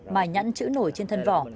mài nhãn chữ nổi trên thân vỏ